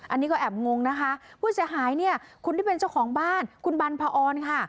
อันนี้ก็แอบงงนะคะผู้เสียหายเนี่ยคุณที่เป็นเจ้าของบ้านคุณบรรพอนค่ะ